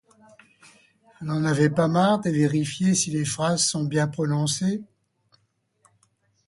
Vous n'en avez pas marre de vérifier si les phrases sont bien prononcées ?